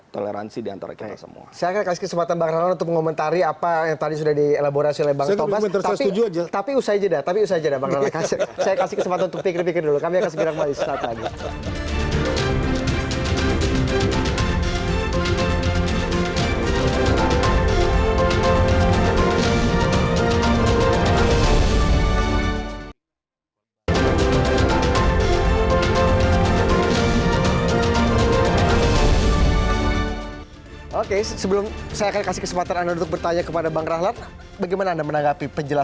toleransi diantara kita semua